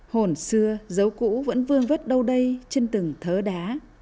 hồn xưa dấu cũ vẫn vươn vứt đâu đây trên từng thớ đá